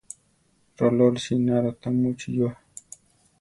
Rolórisi ináro ta muchí yua.